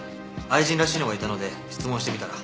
愛人らしいのがいたので質問してみたら。